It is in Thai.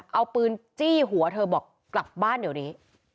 เอาปืนจี้หัวเธอบอกกลับบ้านเดี๋ยวนี้